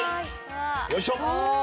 よいしょ！